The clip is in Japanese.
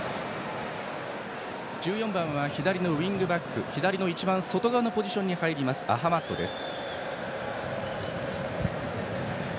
１４番は左のウイングバック左の一番外側のポジションに入るアハマッドです。